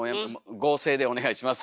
合成でお願いします。